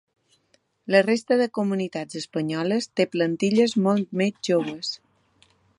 La resta de comunitats espanyoles té plantilles molt més joves.